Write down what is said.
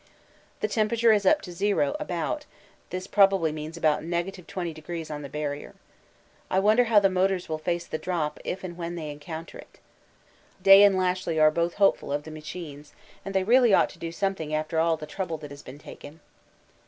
The temperature is up to zero about; this probably means about 20° on the Barrier. I wonder how the motors will face the drop if and when they encounter it. Day and Lashly are both hopeful of the machines, and they really ought to do something after all the trouble that has been taken.